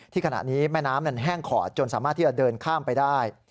ขณะนี้แม่น้ำนั้นแห้งขอดจนสามารถที่จะเดินข้ามไปได้